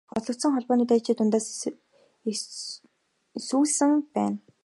Олзлогдсон холбооны дайчдын дундаас элсүүлсэн байна.